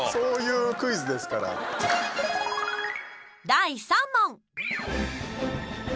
第３問。